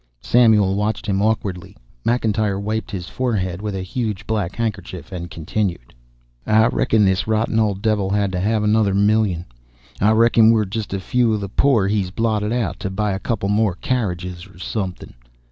Samuel watched him awkwardly. McIntyre wiped his forehead with a huge blue handkerchief, and continued: "I reckon this rotten old devil had to have another million. I reckon we're just a few of the poor he's blotted out to buy a couple more carriages or something."